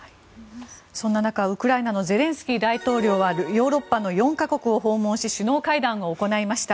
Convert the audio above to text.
そんな中、ウクライナのゼレンスキー大統領はヨーロッパの４か国を訪問し首脳会談を行いました。